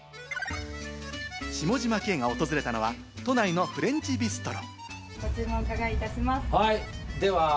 下嶋兄が訪れたのは都内のフレンチビストロ。